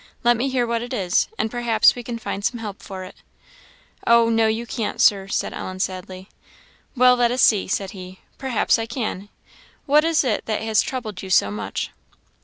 Let me hear what it is, and perhaps we can find some help for it." "Oh, no! you can't, Sir," said Ellen, sadly. "Well, let us see," said he "perhaps I can. What is it that has troubled you so much?"